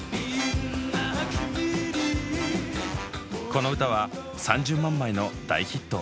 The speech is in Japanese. この歌は３０万枚の大ヒット。